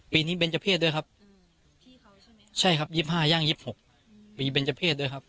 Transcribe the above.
ปีนี้เบนเจ้าเพศด้วยครับใช่ครับ๒๕ย่าง๒๖ปีเบนเจ้าเพศด้วยครับ